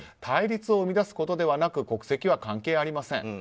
対立を生み出すことではなく国籍は関係ありません。